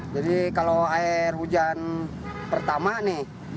jadi kalau air hujan pertama nih